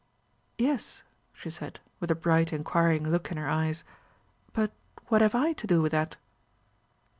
"Yes," she said, with a bright inquiring look in her eyes. "But what have I to do with that?"